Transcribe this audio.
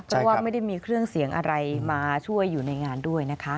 เพราะว่าไม่ได้มีเครื่องเสียงอะไรมาช่วยอยู่ในงานด้วยนะคะ